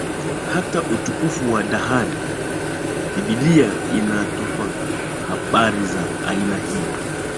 hata ukamilifu wa dhahari Biblia inatupa habari za aina hii